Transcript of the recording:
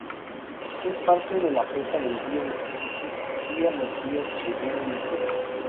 Es parte de la cuenca del río Misisipi, vía los ríos Cheyenne y Misuri.